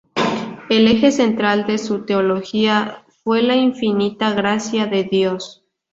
El eje central de su teología fue la infinita gracia de Dios.